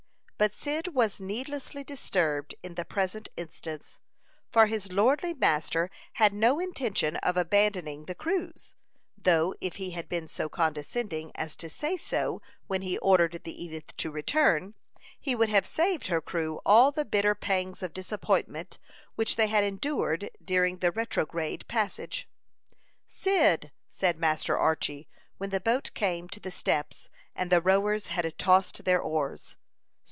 But Cyd was needlessly disturbed in the present instance, for his lordly master had no intention of abandoning the cruise, though if he had been so condescending as to say so when he ordered the Edith to return, he would have saved her crew all the bitter pangs of disappointment which they had endured during the retrograde passage. "Cyd!" said Master Archy, when the boat came up to the steps, and the rowers had tossed their oars.